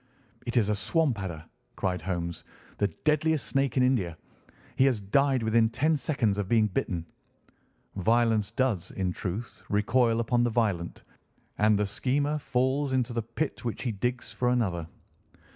"It is a swamp adder!" cried Holmes; "the deadliest snake in India. He has died within ten seconds of being bitten. Violence does, in truth, recoil upon the violent, and the schemer falls into the pit which he digs for another.